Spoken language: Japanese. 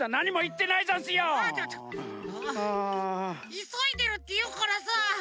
いそいでるっていうからさ。